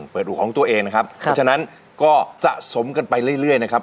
เปิดอู่ของตัวเองนะครับดังฉะนั้นก็สะสมกันไปเรื่อยนะครับ